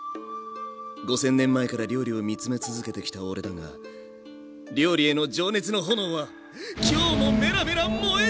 ５，０００年前から料理を見つめ続けてきた俺だが料理への情熱の炎は今日もメラメラ燃えてるぜ！